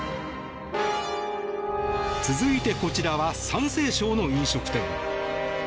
続いてこちらは山西省の飲食店。